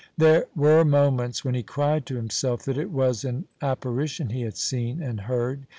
There were moments when he cried to himself that it was an apparition he had seen and heard.